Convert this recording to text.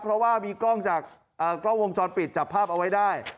เพราะว่ามีกล้องจากกล้องวงจรปิดจับภาพเอาไว้ได้